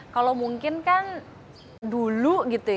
kalau mungkin kan dulu